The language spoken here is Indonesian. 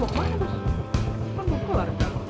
kan gue kelar